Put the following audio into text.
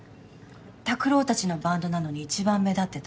拓郎たちのバンドなのに一番目立ってた。